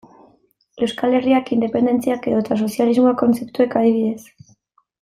Euskal Herriak, independentziak edota sozialismoak kontzeptuek, adibidez.